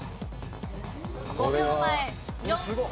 ５秒前。